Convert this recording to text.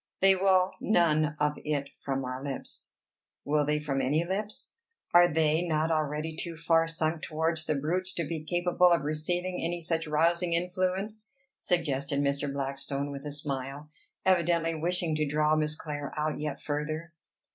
They will none of it from our lips." "Will they from any lips? Are they not already too far sunk towards the brutes to be capable of receiving any such rousing influence?" suggested Mr. Blackstone with a smile, evidently wishing to draw Miss Clare out yet further.